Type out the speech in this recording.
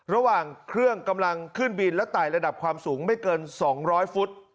ระหว่างเครื่องกำลังขึ้นบินและไต่ระดับความสูงไม่เกิน๒๐๐ฟุต